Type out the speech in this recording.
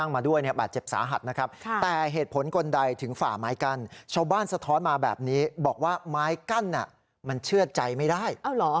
ไม้กั้นอ่ะมันเชื่อใจไม่ได้